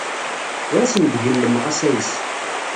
Ur asen-d-gellmeɣ asayes.